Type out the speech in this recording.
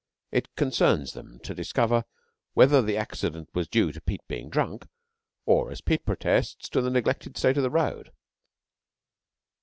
It concerns them to discover whether the accident was due to Pete being drunk or, as Pete protests, to the neglected state of the road.